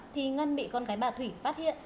thì ngân bị con gái bà thủy phát hiện